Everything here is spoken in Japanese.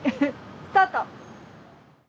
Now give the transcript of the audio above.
スタート。